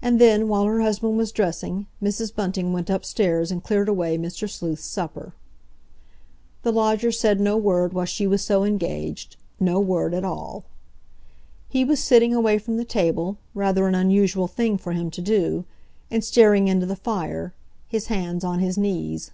And then, while her husband was dressing, Mrs. Bunting went upstairs and cleared away Mr. Sleuth's supper. The lodger said no word while she was so engaged—no word at all. He was sitting away from the table, rather an unusual thing for him to do, and staring into the fire, his hands on his knees.